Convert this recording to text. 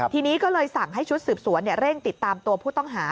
ทีนี้ก็เลยสั่งให้ชุดสืบสวนเร่งติดตามตัวผู้ต้องหา